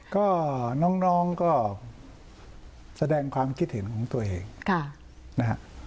ก็น้องก็แสดงความคิดเห็นของตัวเองนะฮะ